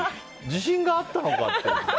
自信があったのかっていう。